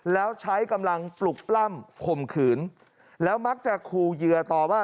แล้วใช้กำลังปลุกปล้ำข่มขืนแล้วมักจะคูเหยื่อต่อว่า